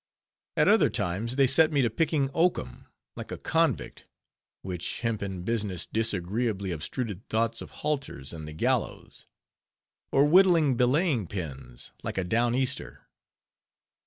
At other times, they set me to picking oakum, like a convict, which hempen business disagreeably obtruded thoughts of halters and the gallows; or whittling belaying pins, like a Down Easter.